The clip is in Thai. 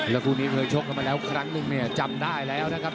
แล้วคู่นี้เคยชกกันมาแล้วครั้งนึงเนี่ยจำได้แล้วนะครับ